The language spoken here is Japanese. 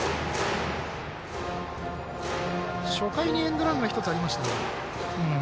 初回にエンドランが１つありました。